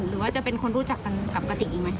หรือว่าจะเป็นคนรู้จักกันกับกระติกอีกไหม